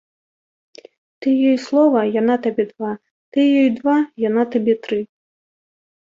Ты ёй слова, яна табе два, ты ёй два, яна табе тры.